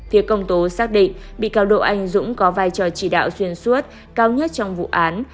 phía công tố xác định bị cáo độ anh dũng có vai trò chỉ đạo xuyên suốt cao nhất trong vụ án